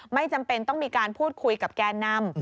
ไม่จำเป็นต้องมีการพูดคุยกับแกนนำ